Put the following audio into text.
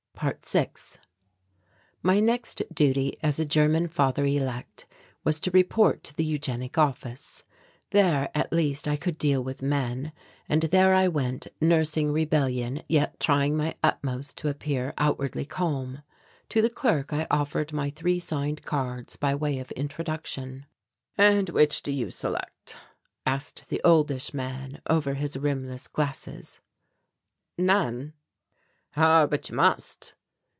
~6~ My next duty as a German father elect was to report to the Eugenic Office. There at least I could deal with men; and there I went, nursing rebellion yet trying my utmost to appear outwardly calm. To the clerk I offered my three signed cards by way of introduction. "And which do you select?" asked the oldish man over his rimless glasses. "None." "Ah, but you must."